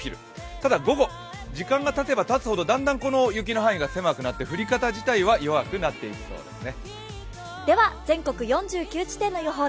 ただ、午後、時間がたてばたつほど雪の範囲が狭くなって降り方自体は弱くなっていきそうですね。